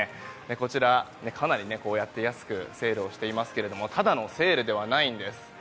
こちらも、かなり安くセールをしていますがただのセールではないんです。